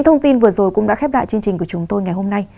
thông tin vừa rồi cũng đã khép lại chương trình của chúng tôi ngày hôm nay